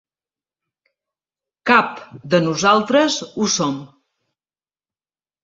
Cap de nosaltres ho som.